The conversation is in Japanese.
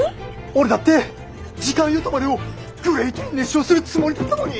俺だって「時間よ止まれ」をグレイトに熱唱するつもりだったのに！